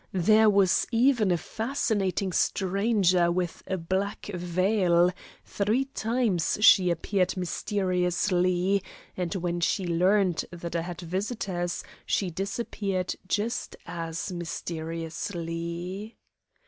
There was even a fascinating stranger with a black veil three times she appeared mysteriously, and when she learned that I had visitors she disappeared just as mysteriously.